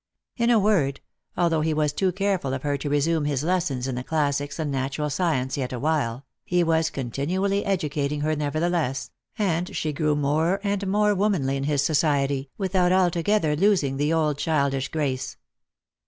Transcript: In a word, although he was too careful of her to resume his lessons in the classics and natural science yet awhile, he was continually educating her nevertheless, and she grew more and more womanly in his society, without altogether losing the old childish grace. Lost for Love.